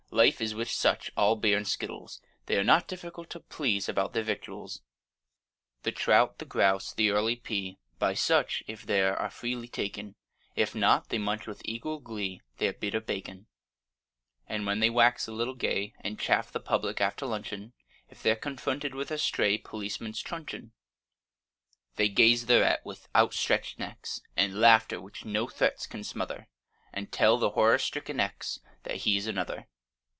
Life is with such all beer and skittles; They are not difficult to please About their victuals: The trout, the grouse, the early pea, By such, if there, are freely taken; If not, they munch with equal glee Their bit of bacon: And when they wax a little gay And chaff the public after luncheon, If they're confronted with a stray Policeman's truncheon, They gaze thereat with outstretch'd necks, And laughter which no threats can smother, And tell the horror stricken X That he's another.